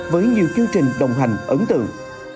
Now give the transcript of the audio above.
với nhiều chương trình đồng hành ấn tượng